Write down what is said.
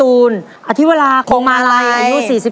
แล้ววันนี้ผมมีสิ่งหนึ่งนะครับเป็นตัวแทนกำลังใจจากผมเล็กน้อยครับ